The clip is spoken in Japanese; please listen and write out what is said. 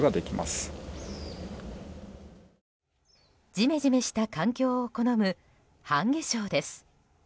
ジメジメした環境を好むハンゲショウです。